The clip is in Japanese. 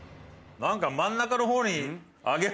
何か真ん中のほうに。